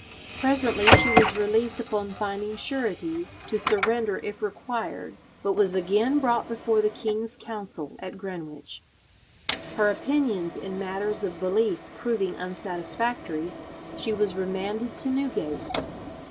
Presently she was released upon finding sureties to surrender if required, but was again brought before the king's council at Greenwich. Her opinions in matters of belief proving unsatisfactory, she was remanded to Newgate.